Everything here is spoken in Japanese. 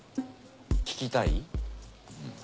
聞きたい？